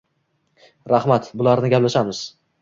rahmat, bularni gaplashamiz.